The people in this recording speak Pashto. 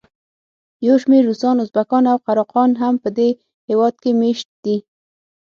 یو شمېر روسان، ازبکان او قراقان هم په دې هېواد کې مېشت دي.